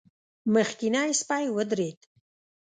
مخکينی سپی ودرېد.